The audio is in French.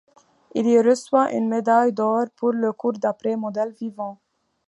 Il y reçoit une médaille d'Or pour le cours d'après modèle vivant.